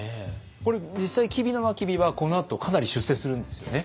これ実際吉備真備はこのあとかなり出世するんですよね。